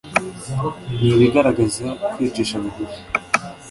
nibigaragaza kwicisha bugufi